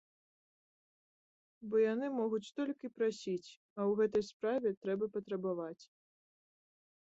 Бо яны могуць толькі прасіць, а ў гэтай справе трэба патрабаваць.